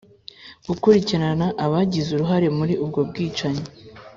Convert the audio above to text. gukurikirana abagize uruhare muri ubwo bwicanyi